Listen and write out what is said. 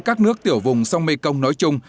các nước tiểu vùng sông mekong nói chung